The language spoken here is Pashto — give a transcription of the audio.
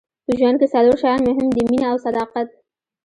په ژوند کې څلور شیان مهم دي مینه او صداقت.